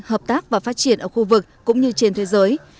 hợp tác và phát triển ở khu vực cũng như trên thế giới